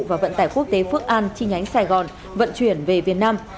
và vận tải quốc tế phước an chi nhánh sài gòn vận chuyển về việt nam